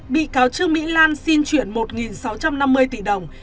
bị cáo trương mỹ lan xin chuyển một sáu trăm năm mươi tỷ đồng